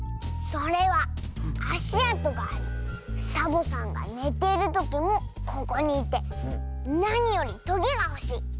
それはあしあとがありサボさんがねているときもここにいてなによりトゲがほしい。